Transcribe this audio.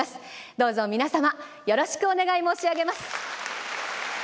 どうぞ皆様よろしくお願い申し上げます。